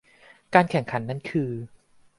การแข่งขันนั้นคือ